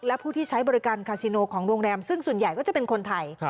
และผู้ที่ใช้บริการคาซิโนของโรงแรมซึ่งส่วนใหญ่ก็จะเป็นคนไทย